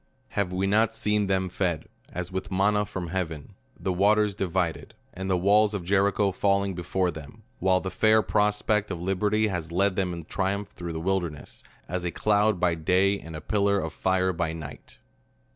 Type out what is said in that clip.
Have we not seen them fed, as with manna from hea ven; the waters divided, and the walls of Jericho fall ing before them, while the fair prospect of liberty has led them in triumph through the wilderness, as a cloud by day, and a pillar of fire by night